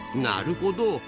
なるほど。